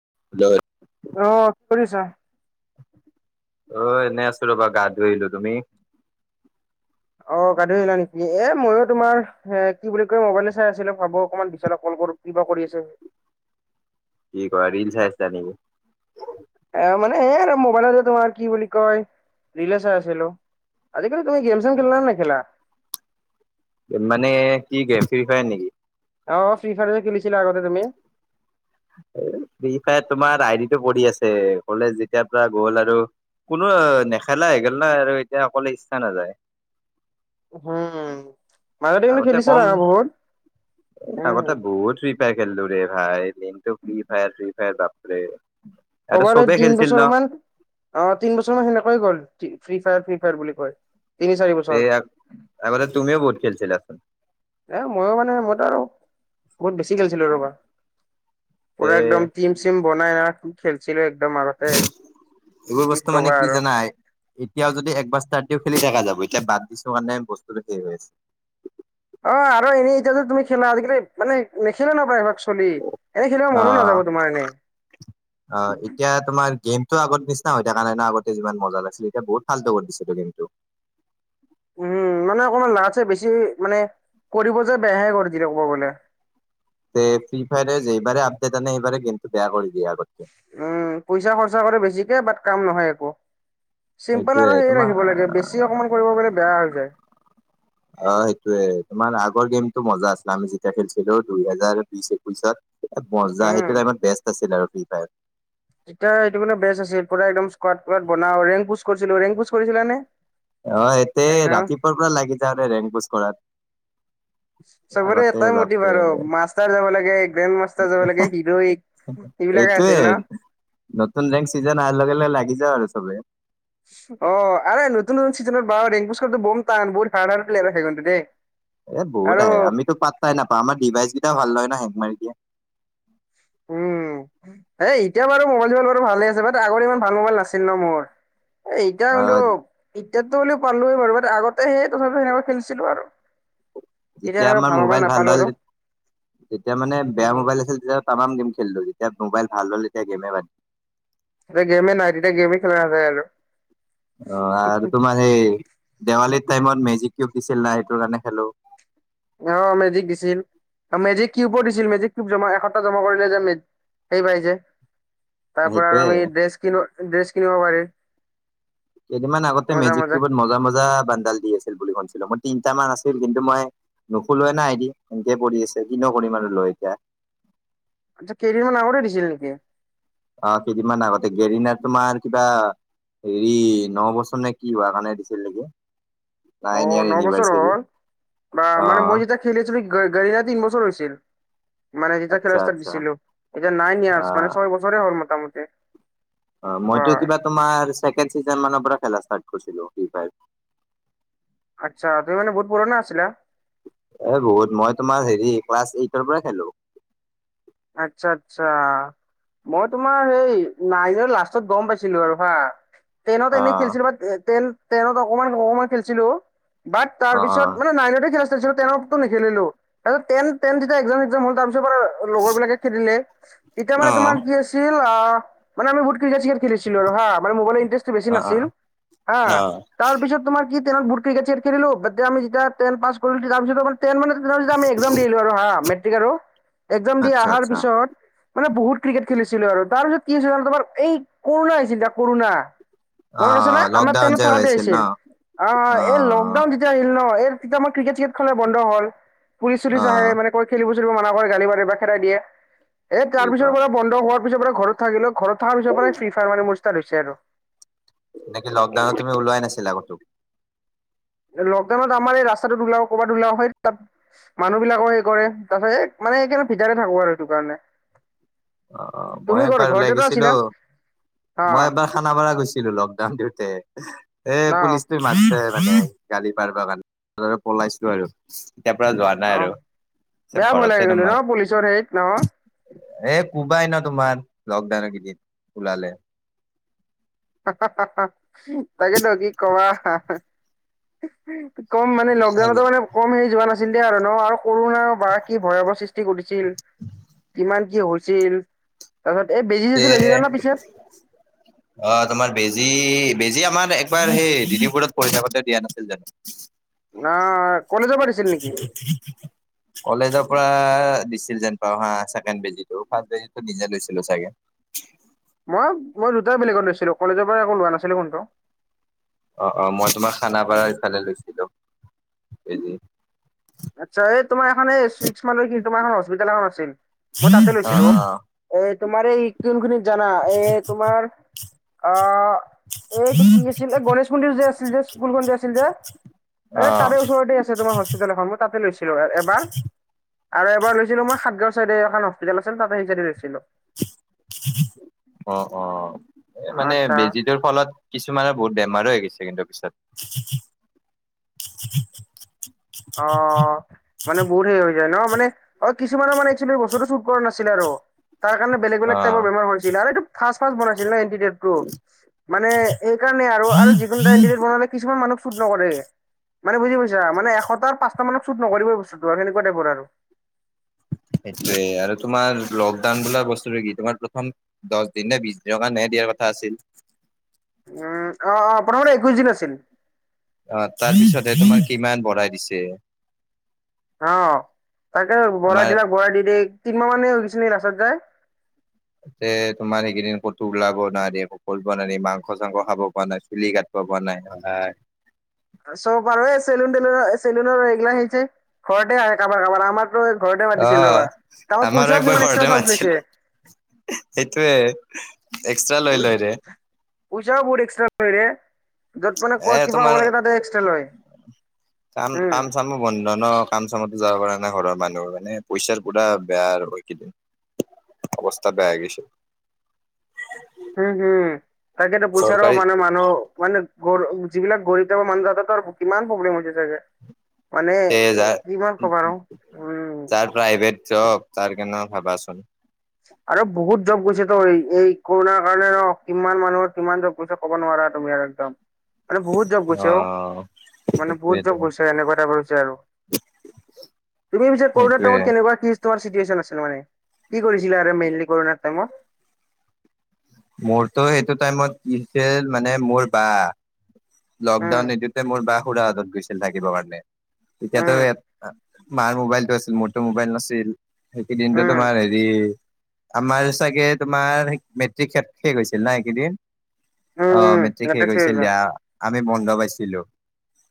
[unintelligible] অহ কি কৰিছ? অ এনে আছো ৰবা গা ধুই আহিলো। তুমি? অ গা ধুই আহিলা নেকি। এ ময়ো তোমাৰ এ কি বুলি কয় মোবাইলে চাই আছিলো ভাবো অকমান বিছালক কল কৰো কিবা কৰি আছে। কি কৰা ৰীল চাই আছা নেকি? এ মানে এই আৰু মোবাইলতে তোমাৰ কি বুলি কয় ৰীলে চাই আছিলো। আজিকালি তুমি গেমচেম খেলা নে নেখেলা? মানে কি কি ফ্ৰী ফায়াৰ নেকি? আঁহ ফ্ৰী ফায়াৰ যে খেলিছিলা আগতে তুমি। সে ফ্ৰী ফায়াৰ তোমাৰ আই ডিটো পৰি আছে, কলেজ যেতিয়াৰ পৰা গ'ল আৰু কোনো নেখেলা হৈগল না আৰু এতিয়া অকলে ইচ্ছা নাযায়। হ'মম। আগতে কম এ আগতে উম বহুত ফ্ৰী ফায়াৰ খেললো ৰে ভাই দিনটো ফ্ৰী ফায়াৰ ফ্ৰী ফায়াৰ বাপৰে। আৰু ক'ব গ'লে চবে তিন খেলিছিল ন বছৰ মান অ তিন বছৰ মান সেনেকৈ গ'ল। ফ্ৰী ফায়াৰ ফ্ৰী ফায়াৰ বুলি কয়। তিনি চাৰি তে বছৰ আগতে তুমিও বহুত খেলছিলা চোন। এ মইয়ো মানে মইতো আৰু বহুত বেছি খেলিছিলো ৰবা। তে পুৰা একদম টিম চিম বনাই না খেলছিলে। ধৰ মাজতে এইবোৰ কি বস্তু মানে কবা আৰু জানা এতিয়াও যদি একবাৰ ষ্টাৰ্ট দিও খেলি থা যাব এতিয়া বাদ দিছো কাৰণে বস্তুটো শেষ হৈ আছে। অ আৰু এনেই এতিয়া যে তুমি খেলা আজিকালি মানে নেখেলে ন প্ৰায় ভাক চলি এনে খেলিব মনো অ'। নাযাব তোমাৰ এনে। ত আগত নিচিনা হৈ থাকা নাই ন আগতে যিমান মজা লাগিছিল এতিয়া বহুত ফালটো কৰি দিছে গেমটো। উম। মানে অকমান লাজ চে বেছি মানে কৰিব যে বেয়াহে কৰি দিলে ক'ব গলে। তে ফ্ৰী ফায়াৰে যে এইবাৰে আপডেট আনে এইবাৰে কিন্তু বেয়া কৰি দিয়ে আগত এতিয়া বাট কাম নহয় একো। চিম্পল আৰু সেইটোয়ে সেৰি তোমাৰ ৰাখিব লাগে বেছি অকমান কৰিব গ'লে বেয়া হৈ যায়। অ সেইটোয়ে তোমাৰ আগ ৰ গেমতটো মজা আছিলে আমি যেতিয়া খেলছিলো দুইহেজাৰ বিশ একৈশত মজা সেইটো টাইমত বেষ্ট আছিল। ছিল আৰু ফ্ৰী ফায়াৰ। এতিয়া এইটো মানে বেচ আছিল পুৰা একদম স্কাট কোৱাট‌ বনা ৰেং পুচ কৰিছিলো ৰেং পুচ কৰিছিলা নে? অ এতে একদম ৰাতিপুৱাৰ পৰা লাগি যাৰে ৰেংকোজ কৰাত [inaudible] চবৰে আগতে এটাই মটিভ বাপৰে আৰু মাষ্টাৰ যাব লাগে গ্ৰেণ্ড মাষ্টাৰ যাব লাগে হিৰই এইবিলাক সেইটোয়ে নতুন জেং চিজন অহাৰ লগে লগে লাগি যাওঁ আৰু চবে। অ আৰে নতুন নতুন চিজনৰ বাও ৰেং স্কটটো বম কান ব। এ বহুত আৰু আহে আমিতো পাতটাই নাপাওঁ আমাৰ ডিভাইচ কেইটাও ভাল নহয় ন সে মাৰিদিয়া। উম। এ এতিয়া বাৰু মোবাইল চোবাইল বাৰু ভালে আছে বাট আগৰ ইমান ভাল মোবাইল নাছিল ন মোৰ এ এতিয়া কিন্তু আহ এতিয়াতো বুলিও পালোৱে বাৰু বাট আগতে সেই তথাপি সেনেকুৱা খেলিছিলো আৰু তেতিয়া যেতিয়া এনেকুৱা আমাৰ মোবাইল ভাল নাপালো হ'ল আৰু তেতিয়া মানে বেয়া উম মোবাইল আছিল যেতিয়া তামাম গেম খেলিলো যেতিয়া মোবাইল ভাল হ'ল তেতিয়া গেমে বাদ এতিয়া গেমে নাই তেতিয়া গেমে খেলা নাযায় আৰু অ আৰু তোমাৰ সে দেৱালীৰ টাইমত মেজিক কিউব দিছিল না সেইটোৰ কাৰণে খেলো অ মেজিক দিছিল অ মেজিক। কিউবো দিছিল মেজিক কিউব জমা এশ টকা জমা কৰিলে যে মে হেৰি পাই যে তাৰ পৰা আৰু সেইটোয়ে আমি ড্ৰেছ কিনো ড্ৰেছ কিনিব পাৰি। কেইদিনমান আগতে মেজিক কিউবত মজা মজা বান্ডাল দি আছিল বুলি শো মোৰ তিনিটা মান আছিল কিন্তু মই নুখোলোৱে নাই এ দি এনেকে পৰি আছে কনো কৰিম আৰু লৈ এতিয়া। আচ্ছা কেইদিনমান আগতে দিছিল নেকি? অ কেইদিনমান আগতে গেৰিনাৰ তোমাৰ কিবা হেৰি ন বছৰ নে কি হোৱা কাৰণে দিছিল নেকি। নাইন অ' ইয়াৰ ন বছৰ ইনিভাৰচেৰি হ'ল বা মানে মই যেতিয়া খেলিছিলো গাড়িনা তিন বছৰ হৈছিল। মানে যেতিয়া আচ্ছা খেলা ষ্টাৰ্ট আচ্ছা দিছিলো এতিয়া নাইন ইয়াৰছ আহ মান ছয় বছৰে হ'ল মোটামটি। অ মইতো কিবা তোমাৰ ছেকেণ্ড চিজন মানৰ পৰা খেলা আছো। তাক কৈছিলো ফ্ৰী ফায়াৰ। আচ্ছা তুমি মানে বহুত পুৰণা আছিলা? এ বহুত মই তোমাৰ হেৰি ক্লাছ এইটৰ পৰা খেলো। আচ্ছা আচ্ছা। মই তোমাৰ সেই নাইনৰ লাষ্টত গম পাইছিলো আৰু হা। টেইনত অ এনেই খেলিছিলো বা ন টেইনত অকমান অকমান খেলিছিলো। বাট তাৰ অ অ। পিছত মানে নাইনতে খেলিছিলো। তাৰপিছত টেইনত তু নেখেলিলো। তাৰপিছত টেন-টেন যেতিয়া ইকজাম-ইকজাম হল তাৰ পিছৰ পৰা- লগৰ বিলাকে খেদিলে। এতিয়া অ মানে তোমাৰ কি আছিল আ মানে আমি বহুত- ক্ৰিকেট-চিকেট খেলিছিলো আৰু হা মানে মোবাইলৰ ইনট্ৰাস্ত বেছি অ অ। নাছিল হা, অ তাৰ পিছত তোমাৰ- বুট ক্ৰিকেট-চিকেট খেলিলো বাত আমি যেতিয়া টেন পাছ কৰিলো তাৰপিছত ত আমাৰ- টন মানে আমি এক্জাম দিলো আৰু হা মেট্ৰিক আৰু এক্জাম দি আচ্ছা অহাৰ আচ্ছা পিছত মানে বহুত- ক্ৰিকেট খেলিছিলো আৰু তাৰ পিছত কি হৈছিল ত তোমাৰ এই কৰোণা হৈছিল যে কৰোণা। অ মনত আছে না আমাৰ লকডাউন টেনত যে হৈ থাকোতে আছিল ন আহিছিল অ এই লকডাউন তেতিয়া আহিল ন। তেতিয়া আমাৰ ক্ৰিকেট চ্ৰিকেট খলে বন্ধ হল। পুলিচ- চুলিচ অ আহে মানে কৈ খেলিব চেলিব মানা কৰে, গালি পাৰে। খেদাই দিয়ে এ কি তাৰ পিছৰ কোৱা পৰা বন্ধ হোৱাৰ পিছৰ পৰা ঘৰত থাকিলেও- ঘৰত থকাৰ পিছৰ পৰাই ফ্ৰী ফায়াৰ মানে মোৰ স্টাৰ্ট হৈছে আৰু। নেকি লকডাউনত তুমি ওলোৱাই নাছিলা কতো? লকডাউনত আমাৰ এই ৰাস্তাটোত উলাও, কৰ'বাত উলাও, হেয় তাত মানুহ বিলাকো হেই কৰে তাৰ পিছত এ- মানে একেবাৰে পিঞ্জাতে থাকো আৰু সেইটো কাৰণে। আহ মই তুমি ক'ত একবাৰ ওলাই ঘৰতেতো গৈছিলো। আছিলা হা মই এবাৰ খানাপাৰা গৈছিলো লকডাউন দিওঁতে, এ ন পুলিচটো মাতে- গালি পাৰে গালি পাৰে বা গা কাৰণে পলাইছো আৰু তেতিয়াৰ পৰা যোৱা নাই অ আৰু। বেয়া ভয় লাগে ঘৰতে কিন্তু নমা, ন পুলিচৰ হেৰিত ন এই কোবা- কোবাই ন তোমাৰ লকডাউনৰ কেইদিন ওলালে। হা-হা -হা-হা তাকে ন কি কবা। কম মানে লকডাউনতো মানে কম হেই যোৱা - ধৰণৰ আৰু কোৰোণা বা কি ভয়াৱহ সৃষ্টি কৰিছিল। কিমান কি হৈছিল তাৰপিছত এই বেজি তে চেজি লৈছিলে না পিছে। আমাৰ বেজী -বেজী আমাৰ একবাৰ সেই ডিদপুৰত পঢ়ি থাকোতে দিয়া নাছিল জানো? না কলেজ পা দিছিল নেকি কলেজ- কলেজৰ পৰা দিছিল যেন পাও। চেকেণ্ড বেজিটো নিজে লৈছিলো চাগে। মই মই দুইটাই বেলেগত লৈছিলো। কলেজৰ পৰা একো লোৱা নাছিলো কোনটো। অ অ মই তোমাৰ খানাপাৰা এইফালে লৈছিলো বেজি। আচ্ছা এই তোমাৰ এ এইখন কি তোমাৰ এখন হস্পিতেল এখন আছিল। মই তাতে অ লৈছিলো অঁ। তোমাৰ এই কোনখনি জানা এ তোমাৰ আ? এইটো কি আছিল? এই গণেশ মন্দিৰ যে আছিল যে স্কুল যে আছিল যে। অ এই তাৰে ওচৰতে আছে তোমাৰ হস্পিতেল এখন মই তাতে লৈছিলো এবাৰ। আৰু এবাৰ লৈছিলো মই সাতগাঁও চাইডে এখন হস্পিতে আছিল তাতে সেই চাইডে লৈছিলো। অঁ অঁ। এ মানে আচ্ছা বেজীটোৰ ফলত কিছুমানৰ বহুত বেমাৰো হৈ গৈছে। ছেকেণ্ডৰ পিছত। অ মানে বহুতে হৈ যায় ন মানে অঁ। কিছুমানৰ মানে একচুৱেলি বস্তুটো চুট কৰা নাছিলে আৰু তাৰ কাৰণে বেলেগ অ। বেলেগ টাইপৰ বেমাৰ হৈছিল। ফাৰ্স্ট বনাইছিলে এন্টিটিঊদটো মানে সেই কাৰণে আৰু আৰু যিকোনো এটা এন্টিটিঊদ বনালে কিছুমান মানুহ- চুট নকৰে মানে বুজি পাইছা মানে এশত- তাৰ পাঁচটা মানক শ্বুট নকৰিবই বস্তুটো আৰু সেনেকুৱা টাইপৰ আৰু। সেইটোয়ে আৰু তোমাৰ লকডাউন বোলা বস্তুটো কি তোমাৰ প্ৰথম দহ দিন নে বিশ দিনৰ কাৰণে- দিয়াৰ কথা আছিল। উম অ অ প্ৰথমতে একৈশ দিন আছিল। অ তাৰ পিছতে তোমাক কিমান বঢ়াই দিছে। অ তাকে বঢ়াই আমাৰ দিলাক বঢ়াই দি দিক তিনিমাহ মানে হৈছে লাষ্টত যায় তাকে তোমাৰ সেইকেইদিন কতো ওলাব নাই দিয়া কক মাংস চাংস খাব পৰা নাই চুলি কাতি ব নাই হয় চব পাৰে চেলুন তেলুন এ চেলুন এই গিলাছে হৈছে ঘৰতে আহে কাবাৰ কাবাৰ আমাৰ ঘৰতে মাতিছিল ৰবা অ' তাৰ আমাৰো পইচাও একবাৰ কিমান ঘৰতে এক্সট্ৰা চাৰ্জ মাতিছিল লৈছে সেইটোয়ে এক্সট্ৰা লৈ লয় দে পইচাও বহুত এক্সট্ৰা লয় ৰে য'ত মানে এ ক কিবা তোমাৰ হ'ব লাগে তাতে এক্সট্ৰা লয় কাম উম। কাম চাম বন্ধ ন কাম চাম যাব পৰা নাই ঘৰৰ মানুহ মানে পইচাৰ পুৰা বেয়া আৰু এইকেইদিন অৱস্থা বেয়া হৈ গৈছে উম হুম তাকেতো পইচা চৰকাৰী মানে মানুহ মানে ঘৰ যিবিলাক গৰিব তাইপৰ মানুহ তাতে তাৰ কিমান প্ৰব্লেম হৈছে চাগে মানে তে যাৰ এ কিমান কম আৰু উম চব তাৰ কাৰণে ভাবা চোন আৰু বহুত জব গৈছে তো এই এই কৰোণাৰ কাৰণে ন কিমান মানুহৰ কিমান জব গৈছে ক'ব নোৱাৰা তুমি আৰু একদম মানে বহুত জব গৈছে অ মানে বহুত সেইটোয়েতো জব গৈছে এনেকুৱা তাইপ হৈছে আৰু তুমি পিছে কৰোণাৰ সেইটোয়ে। টাইমত কেনেকুৱা কি তোমাৰ চিটোয়েচন আছিল মানে কি কৰিছিলা মেইনলি কৰোণাৰ টাইমত মোৰতো সেইটো টাইমত কি হৈছিল মানে মোৰ বা লকডাউন উম, নিদিওতে মোৰ বা খুৰা হত গৈছিল থাকিবৰ কাৰণে উম, তেতিয়াতো মাৰ মোবাইলটো আছিল মোৰতো মোবাইল নাছিল সেইকেইদিনটো উম, তোমাৰ হেৰি আমাৰ চাগে তোমাৰ মেট্ৰিক শেষ শেষ হৈছিল না সেইকেইদিন উম, অহ উম। মেট্ৰিক শেষ নাটক হৈছিল দিয়া আমি বন্ধ পাইছিলো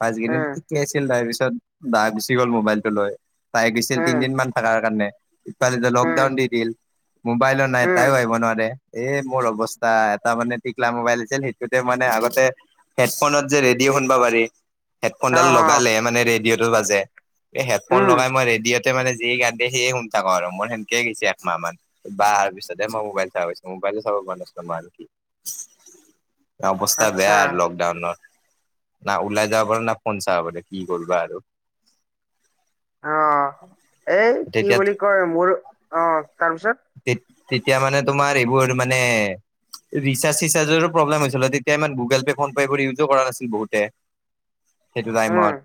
পাচকেদিন উম, ঠিকেই আছিল তাৰ পিছত বা গুচি গ'ল মোবাইলটো লৈ বাই গৈছিল উম, তিনদিন মান থকাৰ কাৰণে ইফালে উম, লকডাউন দি দিল মোবাইলনো নাই উম তাইয়ো আহিব নোৱাৰে এ মোৰ অৱস্থা এটা মানে টিকলা মোবাইল আছিল সেইটোতে মানে আগতে হেডফোনত যে ৰেডিঅ' শুনিব পাৰি হা, হেডফোনডাল হা। লগালে মানে ৰেডিঅ'টো বাজে এই হেডফোন উম, লগাই মই ৰেডিঅ'ত তেতিয়া মানে যিয়ে গান দিয়ে সিয়ে শুনি থাকো আৰু মোৰ সেনকে গৈছে একমাহ মান বা আহাৰ পিছতে মই মোবাইল পাই গৈছো মোবাইল চাব পৰা নাছিলো আৰু কি অৱস্থা আচ্ছা বেয়া আৰু লগ না ওলাই যাব পাৰো না ফোন চাব পাৰো কি কৰিবা আৰু অ এ কি বুলি কয় মোৰ অ তাৰপিছত তে তেতিয়া মানে তোমাৰ এইবোৰ মানে ৰিচাৰ্জ চিচাৰ্জৰো প্ৰব্লেম হৈছিল তেতিয়া ইমান গুগল পে' ফোন পে ইউজো কৰা নাছিল বহুতে সেইটো উম, টাইমত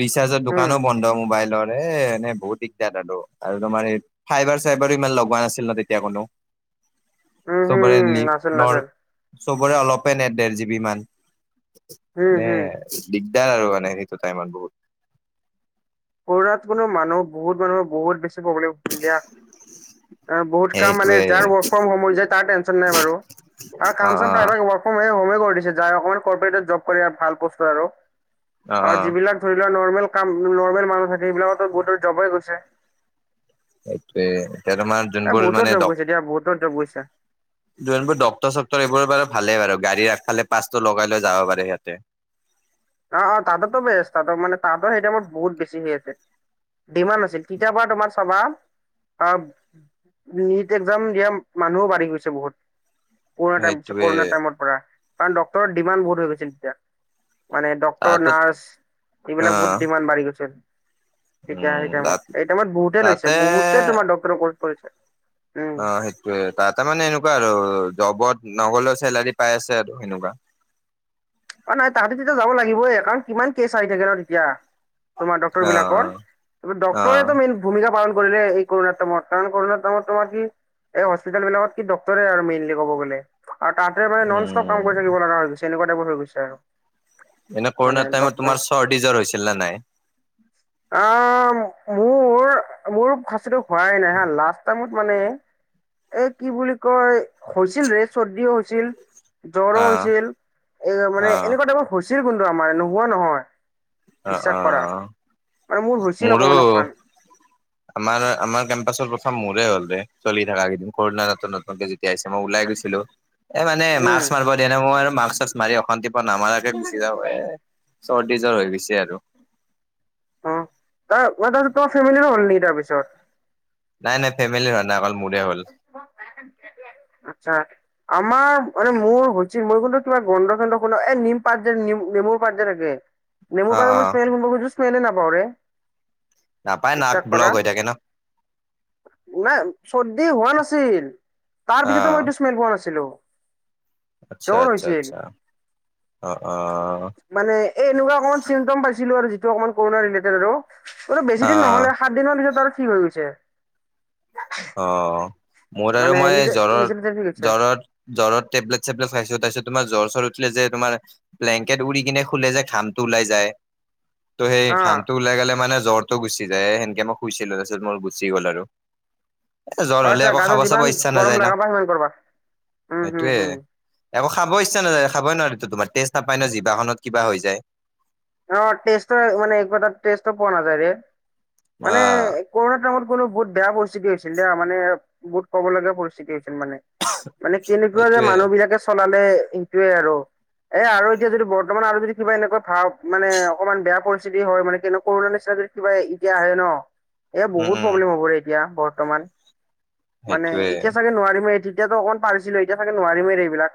ৰিচাৰ্জৰ উম। দোকানো বন্ধ মোবাইলত এ এনে বহুত দিগদাৰ তাতো আৰু তোমাৰ এ ফাইবাৰ চাই বাৰ ইমান লগোৱা নাছিল ন তেতিয়া কোনো উম, চব হুম, লি নাছিল নৰ নাছিল চবৰে অলপে নেট দেৰ জিবি মান হম, মানে হম। দিক দিকদাৰ হল মানে সেইটো তাইমত বহুত কৰুণাত কোনো মানুহ বহুত মানুহৰ বহুত বেছি প্ৰব্লেম হল দিয়া বহুত কাম মানে সেইটোৱে যাৰ ৱৰ্ক ফ্ৰম হোম হৈছে তাৰ টেনচন নাই বাৰু আৰু অ কাম চাম অ প্ৰাইভেট ৱৰ্ক ফ্ৰম হোম যাৰ অকমান কৰ পেতৰ জব কৰে ভাল বস্তু আৰু অ অ যিবিলাক ধৰি লোৱা নৰমেল নৰ্মেল কাম নৰ্মেল মানুহ থাকে সেইবিলাকতো বহুতে জব গৈছে সেইটোৱে এতিয়া তোমাৰ এ যোনবোৰ বহুতৰ জব গৈছে দিয়া বহুতৰ জব গৈছে। যোন বোৰ ডক্টৰ চক্ৰ এইবোৰ বাৰ ভালেই বু গাড়ী ৰাফালে পাচটো লগাই লৈ যাব পাৰে সিহঁতে। উ [unintelligible] অ অ তাতটো বেছ তাতৰ মানে তাতো সেইটো মমাৰ বহুত বেছি হৈ আছে। ডিমাড আছিল তিতাৰাপাৰ তোমাৰ চাবা অ নিট এক্সম দিয়া মানুহো বাঢ়ি গৈছে বহুত কৰুণা সেইটোৱে কৰুণা টাইমৰ পৰা কাৰণ ডক্টৰ ডিমাণ্ড বহুত হৈ গৈছিল তেতিয়া মানে ডক্তৰ তাহাঁতত নাৰ্চ এইবিলাক আহ বহুত ডিমাণ্ড বাঢ়ি গৈছে। তেতিয়া সেই উম টাইত তাত এই টাইমত বহুতে লৈছে তাতে বহুতে তোমাৰ ডক্টৰ কৰ্চ কৰিছে। উম অ সেইটোয়ে তাতে মানে এনেকুৱা আৰু জবত নগলেও চেলাৰী পাই আছে আৰু সেনেকুৱা অ নাই তাহাঁতে তেতিয়া যাব লাগিবইে কাৰণ কিমান কেছ আহি থাকে ন তেতিয়া তোমাৰ ডক্টৰ অ বিলাকৰ অ ডক্টৰে মেইন ভূমিকা পালন কৰিলে এই কৰুণা টাইমত কাৰণ কৰুণা তামত তোমাৰ কি এই হস্তপিতে বিলাকত কি ডক্তৰে আৰু মেইনলি ক'ব গ'লে আৰু তাতে মানে নন ষ্টপ কাম উম কৰি থাকিব লগা হৈ গৈছে এনেকুৱা টাইপৰ হৈ গৈছে আৰু এনে মানে কৰোণাৰ দ টাইমত তোমাৰ চৰ্দিজ্বৰ হৈছিল নে নাই? আহ মোৰ মোৰ খাচিটো হোৱাই নাই হা লাষ্ট টাইমত মানে এ কি বুলি কয় হৈছিল ৰে চৰ্দিও হৈছিল জ্বৰো অ হৈছিল এই মানে অ এনেকুৱা টাইপত হৈছিল কিন্তু আমাৰ নোহোৱা নহয়। অ অ বিশ্বাস কৰা মানে মোৰ হৈছিল অকমান মোৰো অকণমান আমাৰ আমাৰ কেম্পাচৰ প্ৰথম মোৰে হলৰে চলি থাককা কেইদিন কৰুণা নতুন নতুনকে যেতিয়া আহছে মই ওলাই গো এ মানে উম মাছ মাৰ দনে মই আৰু মাছ চাছ মাৰি অশান্তি। নামাৰাকে গুচি যাওঁ এ চৰ্দি জৰ হৈ গৈছে আৰু। ত ফেমিলি হ'ল ন তাৰপিছত। নাই নাই ফেমিলি নয় অকল মোৰ। আচ্ছা। আমাৰ মানে মোৰ হৈছিল মই কিন্তু কিবা গন্ধ চন্ধ শুন এ নিম পাতজম নেমুৰ পাতজে থাকে। নেমু অ পান অ মোৰ স্মেল কি স্মেললো নাপাওঁৰে। নাপায় নাক বিশ্বাস কৰা ব্লক হৈ থাকে ন না চৰ্দি। হোৱা নাছিল তাৰ অ পিছতে মই এইটো স্মেল পোৱা নাছিলো। আচ্ছা জ্বৰ আচ্ছা হৈছিল আচ্ছা। অ অ মানে এ এনেকুৱা অকমান চিমটম পাইছিলো আৰু। অকো আৰু অ বেছিন নহলে সাত দিনৰ পিছত আৰু ফ্ৰী হৈ গৈছে। অ। মোৰ আৰু মানে মই নিজে জ্বৰ নিজে নিজে ঠিক হৈছে জ্বৰত জ্বৰ টেবলেট চেবলেট খাইছো তাৰপিছত। তোমাৰ জ্বৰ জ্বৰ উঠিলে যে তোমাৰ ব্লেংকেট উৰি কিনে খোলে যে ঘামটো ওলাই যায়। ত' সেই অ ঘামটো ওলাই গ'লে মানে জ্বৰটো গুচি যায় সেনকে মই শুইছিলো তাৰপিছত মোৰ গুচি গ'ল আৰু। এ জৰ হলে আচ্ছা আকৌ গাটো খাব চাব যিমান ইচ্ছা গৰম নাযায় না লগাবা সিমান কৰবা উম হম সেইটোয়ে হম আকৌ। খাব ইচ্ছা নায খাবই নোৱাৰো তোমাৰ তেষ্ট নাপায় ন জিভাখনত কিবা হৈ যায়। অ টেষ্ট মানে পোৱা নাযায় মানে অ' কৰুণা টাইমত। কোনো বহুত বেয়া পৰিস্থিতি হৈছিল মানে বহুত কবলগীয়া পৰিস্থিতি হৈছিল। মানে মানে কেনেকুৱা যে সেইটোয়ে মানুহ বিলাকে চলাল। সেইটোয়ে আৰু এ আৰু এতিয়া যদি বৰ্তমান আৰু যদি কিবা এনেকুৱা ভ। মানে অকমান বেয়া পৰিস্থিতি হয় মানে কৰুণা নিচিনা যদি কিবা এতিয়া আহে ন। এয়া উম বহুত উম প্ৰব্লেম হবৰে এতিয়া বৰ্তমান মানে সেইটোয়ে। এতিয়া চাগে নোৱাৰিমে এ। এতিয়াতো অকণ পাৰিছিলো এতিয়া চাগে নোৱাৰিমেৰে এইবিলাক।